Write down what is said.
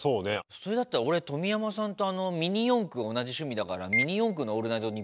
それだったら俺冨山さんとミニ四駆同じ趣味だから「ミニ四駆のオールナイトニッポン」やってほしいけどね。